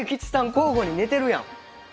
交互に寝てるやん